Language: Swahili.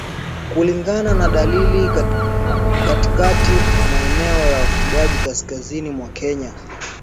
kulingana na dalili katika maeneo ya wafugaji kaskazini mwa Kenya